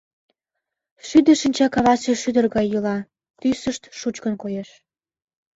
Шӱдӧ шинча кавасе шӱдыр гай йӱла: тӱсышт шучкын коеш.